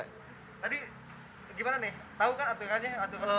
tadi gimana nih tau kan aturannya